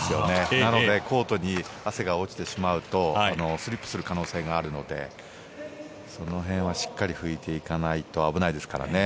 なので、コートに汗が落ちてしまうとスリップする可能性があるのでその辺はしっかり拭いていかないと危ないですからね。